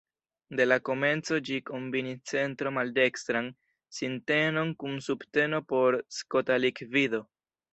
De la komenco ĝi kombinis centro-maldekstran sintenon kun subteno por skota likvido.